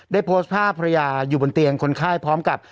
โพสต์ภาพภรรยาอยู่บนเตียงคนไข้พร้อมกับ